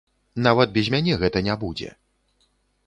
Нават без мяне гэта не будзе.